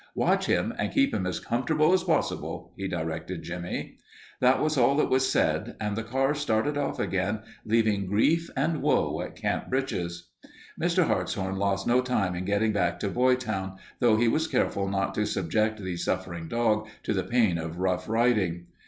"Watch him, and keep him as comfortable as possible," he directed Jimmie. That was all that was said, and the car started off again, leaving grief and woe at Camp Britches. Mr. Hartshorn lost no time in getting back to Boytown, though he was careful not to subject the suffering dog to the pain of rough riding.